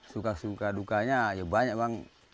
suka suka dukanya ya banyak bang